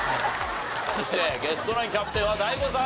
そしてゲストナインキャプテンはＤＡＩＧＯさんです。